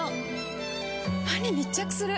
歯に密着する！